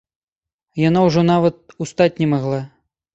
Яна ўжо нават устаць не магла.